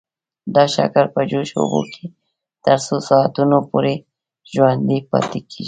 دا شکل په جوش اوبو کې تر څو ساعتونو پورې ژوندی پاتې کیږي.